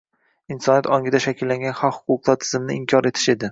— insoniyat ongida shakllangan haq-huquqlar tizimini inkor etish edi.